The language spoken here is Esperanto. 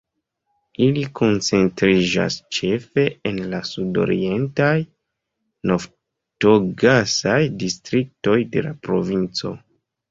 Ili koncentriĝas ĉefe en la sud-orientaj naftogasaj distriktoj de la provinco.